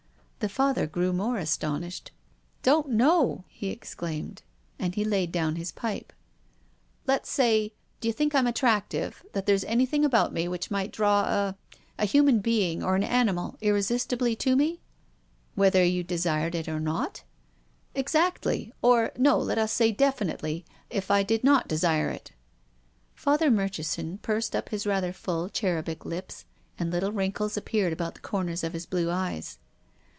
The Father grew more astonished. " Don't know !" he exclaimed. And he laid down his pipe. "Let's say — d'you think I'm attractive, that there's anything about me which might draw a — a human being, or an animal, irresistibly to me ?"" Whether you desired it or not ?"" Exactly — or — no, let us say definitely — if I did not desire it." Father Murchison pursed up his rather full, cherubic lips, and little wrinkles appeared about the corners of his blue eyes.